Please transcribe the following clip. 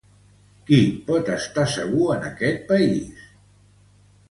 Qui pot estar segur en aquest país?